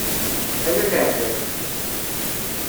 Ala leεtab.